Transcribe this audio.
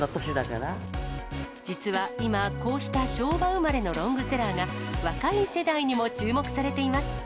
実は今、こうした昭和生まれのロングセラーが若い世代にも注目されています。